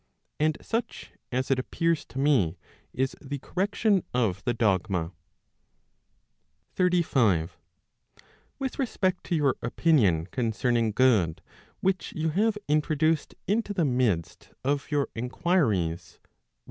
And such, as it appears to me, is the correction 1 of the dogma. 35. With respect to your opinion concerning good which you have introduced into the midst of your enquiries, viz.